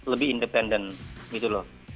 lebih independen gitu loh